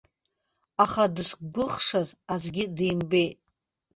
Аха дзықәгәыӷшаз аӡәгьы димбеит.